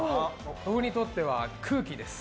僕にとっては空気です。